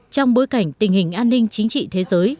trong bối cảnh tình hình an ninh chính trị thế giới